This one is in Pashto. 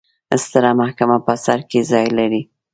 ستره محکمه په سر کې ځای لري.